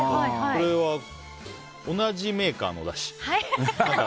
それは同じメーカーのだし。